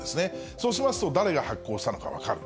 そうしますと、誰が発行したのか分かる。